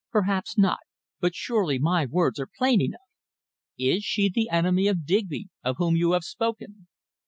"Perhaps not. But surely my words are plain enough!" "Is she the enemy of Digby, of whom you have spoken?"